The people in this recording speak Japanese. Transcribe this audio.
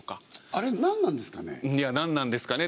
あれ何なんですかね？